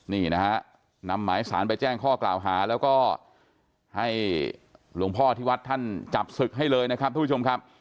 นี่นะฮะนำหมายสารไปแจ้งข้อกล่าวหาแล้วก็ให้หลวงพ่อที่วัดท่านจับศึกให้เลยนะครับทุกผู้ชมครับ